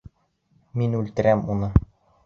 Мин үлтерәм уны!